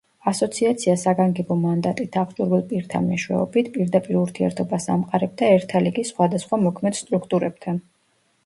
ასოციაცია საგანგებო მანდატით აღჭურვილ პირთა მეშვეობით პირდაპირ ურთიერთობას ამყარებდა ერთა ლიგის სხვადასხვა მოქმედ სტრუქტურებთან.